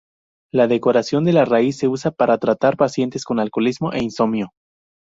La decocción de la raíz se usa para tratar pacientes con alcoholismo e insomnio.